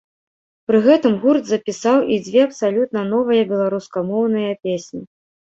Пры гэтым гурт запісаў і дзве абсалютна новыя беларускамоўныя песні.